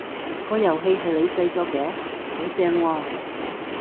個遊戲係你製作嘅？好正喎！